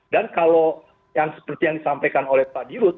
dan kalau yang seperti yang disampaikan oleh pak dirut